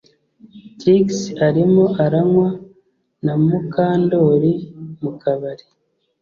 Trix arimo aranywa na Mukandoli mu kabari